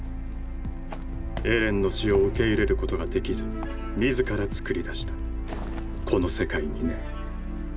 エレンの死を受け入れることができず自ら作りだしたこの世界にね。